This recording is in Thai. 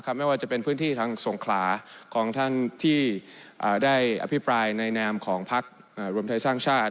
ไม่ว่าจะเป็นพื้นที่ทางสงขลาของท่านที่ได้อภิปรายในแนมของพักรวมไทยสร้างชาติ